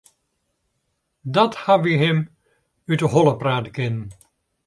Dat hawwe wy him út 'e holle prate kinnen.